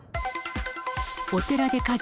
お寺で火事。